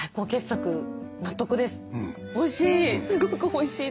おいしい！